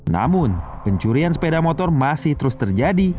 namun pencurian sepeda motor masih terus terjadi